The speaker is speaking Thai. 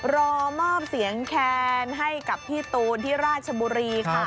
รอมอบเสียงแคนให้กับพี่ตูนที่ราชบุรีค่ะ